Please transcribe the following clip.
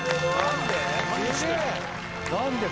何で？